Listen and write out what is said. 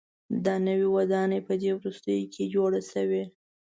دا نوې ودانۍ په دې وروستیو کې جوړه شوې.